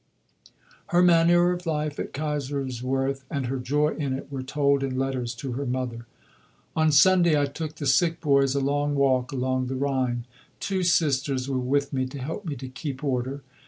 Her manner of life at Kaiserswerth and her joy in it were told in letters to her mother: On Sunday I took the sick boys a long walk along the Rhine; two Sisters were with me to help me to keep order.